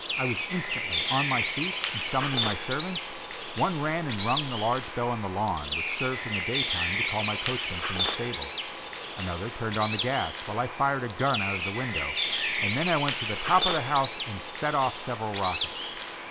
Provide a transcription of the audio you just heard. I was instantly on my feet and summoning my servants, one ran and rung the large bell on the lawn which served in the day time to call my coachman from the stable, another turned on the gas, while I fired a gun out of the window and I then went to the top of the house and set off several rockets.